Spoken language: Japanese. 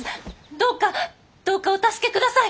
どうかどうかお助け下さい。